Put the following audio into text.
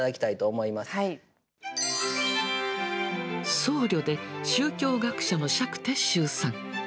僧侶で宗教学者の釈徹宗さん。